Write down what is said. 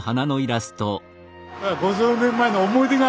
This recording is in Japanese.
５０年前の思い出があるから。